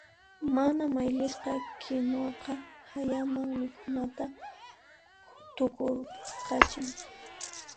Mana mayllisqa kinuwaqa hayaman mikhunata tukurqachin.